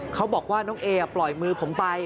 เขาบอกว่าน้องเอปล่อยมือผมไป